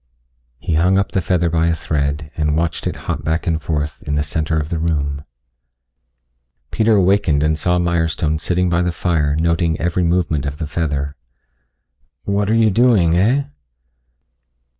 He hung up the feather by a thread and watched it hop back and forth in the center of the room. Peter awakened and saw Mirestone sitting by the fire noting every movement of the feather. "What are you doing, heh?"